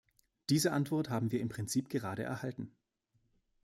Diese Antwort haben wir im Prinzip gerade erhalten.